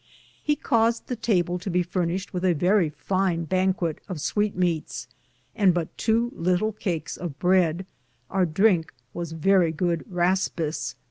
He caused the Table to be furnished with a verrie fine bankett (ban quet) of sweete meates, and but tow litle cakes of breade; our drinke was verrie good raspis.